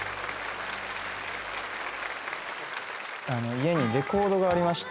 家にレコードがありまして。